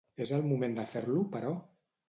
És el moment de fer-lo, però?